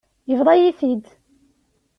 Yebḍa-yi-t-id.